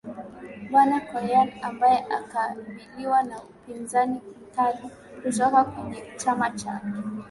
bwana coyen ambaye anakabiliwa na upinzani mkali kutoka kwenye chama chake